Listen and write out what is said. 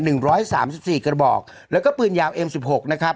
หนึ่งร้อยสามสิบสี่กระบอกแล้วก็ปืนยาวเอ็มสิบหกนะครับ